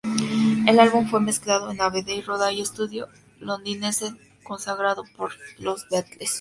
El álbum fue mezclado en Abbey Road, estudio londinense consagrado por los Beatles.